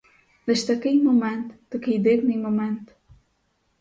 Лиш такий момент, такий дивний момент!